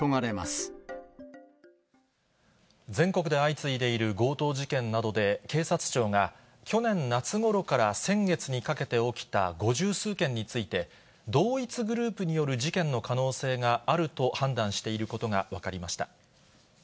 全国で相次いでいる強盗事件などで、警察庁が、去年夏ごろから先月にかけて起きた五十数件について、同一グループによる事件の可能性があると判断していることが分かりました。